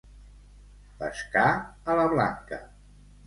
Pescar a la blanca.